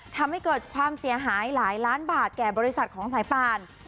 ทำให้เกิดความเสียหายหลายล้านบาทแก่บริษัทของสายป่าน